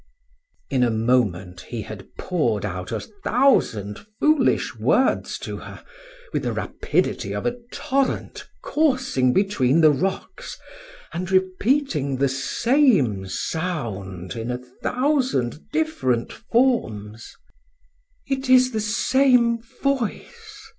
In a moment he had poured out a thousand foolish words to her, with the rapidity of a torrent coursing between the rocks, and repeating the same sound in a thousand different forms. "It is the same voice!"